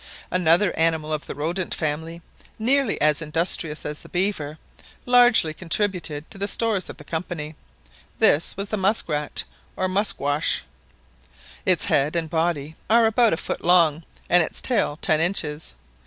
Another animal of the rodent family, nearly as industrious as the beaver, largely contributed to the stores of the Company. This was the musk rat or musquash. Its head and body are about a foot long and its tail ten inches.